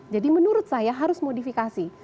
jadi menurut saya harus modifikasi